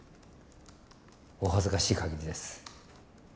お恥ずかしいかぎりです